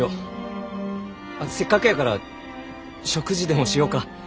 せっかくやから食事でもしようか。